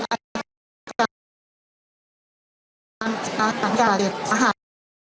อาหาร